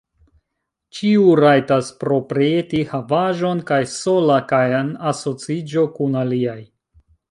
Ĉiu rajtas proprieti havaĵon, kaj sola kaj en asociiĝo kun aliaj.